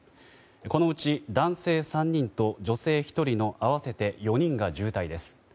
このうち、男性３人と女性１人の合わせて４人が重体です。